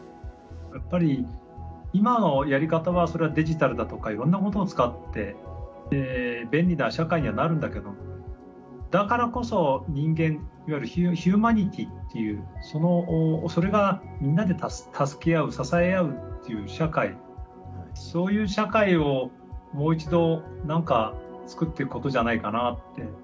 やっぱり今のやり方はそれはデジタルだとかいろんなことを使って便利な社会にはなるんだけどだからこそ人間いわゆるヒューマニティーっていうそれがそういう社会をもう一度何か作っていくことじゃないかなって。